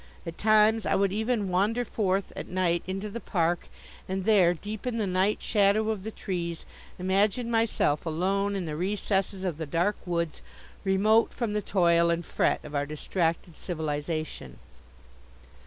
At times I would even wander forth, at night into the park, and there, deep in the night shadow of the trees, imagine myself alone in the recesses of the dark woods remote from the toil and fret of our distracted civilization.